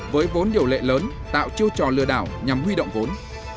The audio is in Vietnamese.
với vốn điều lệ lớn tạo chiêu trò lừa đảo nhằm huy động vốn